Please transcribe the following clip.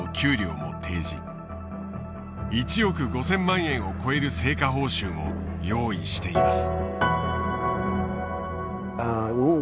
１億５，０００万円を超える成果報酬も用意しています。